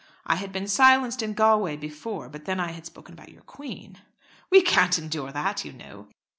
I had been silenced in Galway before; but then I had spoken about your Queen." "We can't endure that, you know."